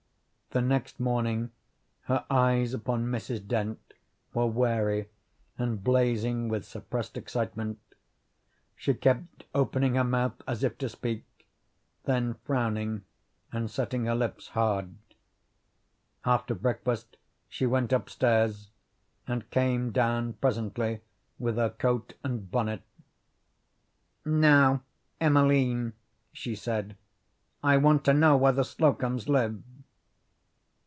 The next morning her eyes upon Mrs. Dent were wary and blazing with suppressed excitement. She kept opening her mouth as if to speak, then frowning, and setting her lips hard. After breakfast she went upstairs, and came down presently with her coat and bonnet. "Now, Emeline," she said, "I want to know where the Slocums live."